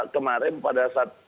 kemarin pada saat